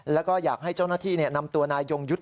แล้วก็อยากให้เจ้าหน้าที่นำตัวนายยงยุทธ์